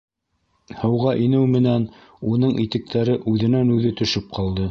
Һыуға инеү менән, уның итектәре үҙенән-үҙе төшөп ҡалды.